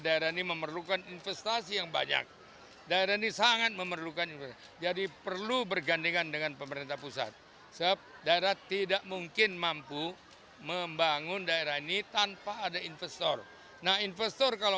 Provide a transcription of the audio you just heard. datuk bandara sultan nankayo menyampaikan harapannya agar pemerintah pusat dan daerah mampu bersinergi untuk membangun sumatera barat